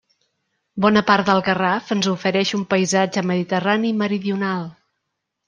Bona part del Garraf ens ofereix un paisatge mediterrani meridional.